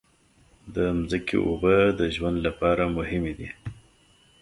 د ځمکې اوبو د ژوند لپاره مهمې دي.